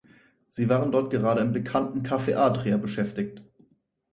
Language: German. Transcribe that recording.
Sie waren dort gerade im bekannten „Cafe Adria“ beschäftigt.